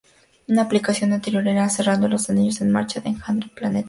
Una aplicación anterior era el cerrando de anillos de marcha en engranaje planetario.